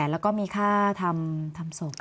แล้วก็มีค่าทำศพ